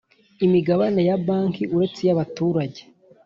Imigabane ya banki uretse iyabaturage